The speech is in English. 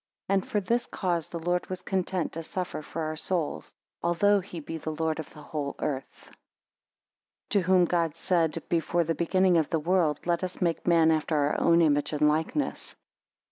7 And for this cause the Lord was content to suffer for our souls, although he be the Lord of the whole earth; to whom God said before the beginning of the world, Let us make man after our own image and likeness.